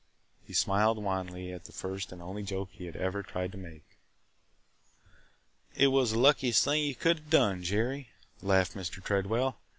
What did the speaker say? He smiled wanly at the first and only joke he had ever tried to make. "It was the luckiest thing you could have done, Jerry!" laughed Mr. Tredwell.